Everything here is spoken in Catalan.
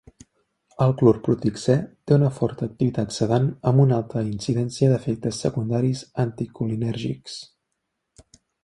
El clorprotixè té una forta activitat sedant amb una alta incidència d'efectes secundaris anticolinèrgics.